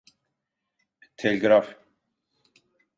Telgraf…